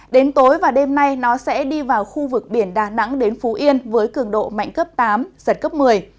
đến tối và đêm nay nó sẽ đi vào khu vực biển đà nẵng đến phú yên với cường độ mạnh cấp tám giật cấp một mươi